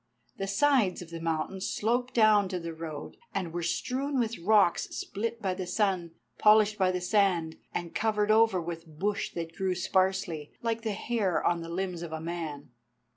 The sides of the mountain sloped down to the road, and were strewn with rocks split by the sun, polished by the sand, and covered over with bush that grew sparsely, like the hair on the limbs of a man.